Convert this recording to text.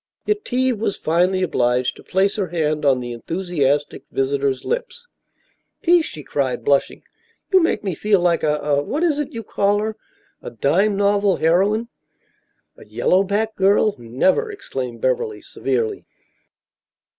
Yetive was finally obliged to place her hand on the enthusiastic visitor's lips. "Peace," she cried, blushing. "You make me feel like a a what is it you call her a dime novel heroine?" "A yellow back girl? Never!" exclaimed Beverly, severely.